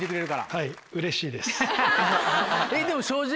はいうれしいです。